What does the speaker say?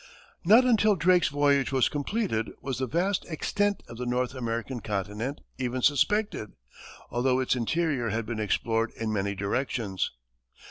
Not until Drake's voyage was completed was the vast extent of the North American continent even suspected, although its interior had been explored in many directions.